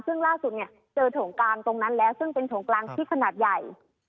ซึ่งล่าสุดเนี่ยเจอโถงกลางตรงนั้นแล้วซึ่งเป็นโถงกลางที่ขนาดใหญ่